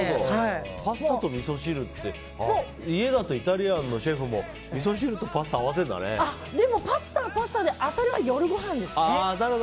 パスタとみそ汁って家だとイタリアンのシェフもパスタはパスタでアサリは夜ごはんですね。